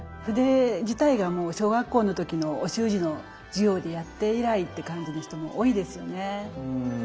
筆自体がもう小学校の時のお習字の授業でやって以来って感じの人も多いですよね。